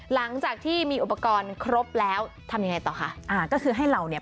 หลังจากที่มีอุปกรณ์ครบแล้วทำยังไงต่อคะอ่าก็คือให้เราเนี่ย